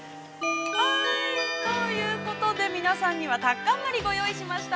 ◆ということで、皆さんには、タッカンマリをご用意しました。